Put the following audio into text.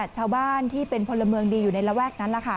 ชาวบ้านที่เป็นพลเมืองดีอยู่ในระแวกนั้นล่ะค่ะ